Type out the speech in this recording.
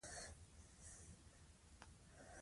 نه په رنګ وې چا په کلي کي لیدلی